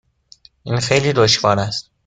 این خیلی دشوار است.